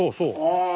ああ。